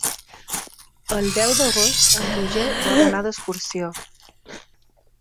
El deu d'agost en Roger vol anar d'excursió.